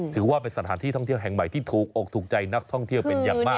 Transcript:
ถือว่าเป็นสถานที่ท่องเที่ยวแห่งใหม่ที่ถูกอกถูกใจนักท่องเที่ยวเป็นอย่างมาก